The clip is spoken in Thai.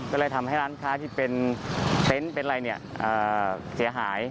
ก็เลยทำให้ร้านค้าที่เป็นเต็นต์เสียหาย